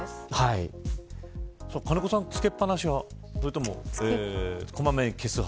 金子さんはつけっぱなしそれともこまめに消す派。